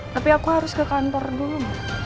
tapi aku harus ke kantor dulu